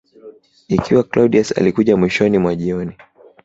Ikiwa Claudius alikuja mwishoni mwa jioni